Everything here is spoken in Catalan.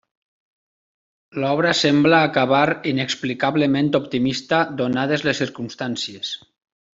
L'obra sembla acabar inexplicablement optimista donades les circumstàncies.